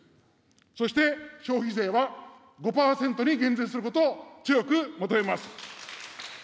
そして、消費税は５％に減税することを強く求めます。